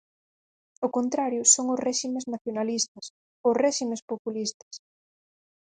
O contrario son os réximes nacionalistas, os réximes populistas.